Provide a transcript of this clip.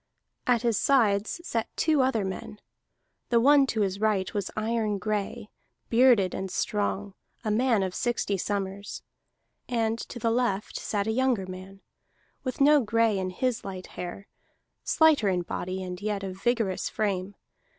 At his sides sat two other men: the one to his right was iron gray, bearded and strong, a man of sixty summers; and to the left sat a younger man, with no gray in his light hair, slighter in body, and yet of vigorous frame.